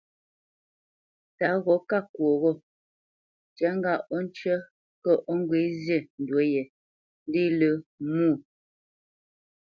Tǎ gho ká kwo ghô, ntyá ŋgâʼ ó njə́ kə̂ ó ŋgwě zî ndǔ yē, ndé lə̄ mwô.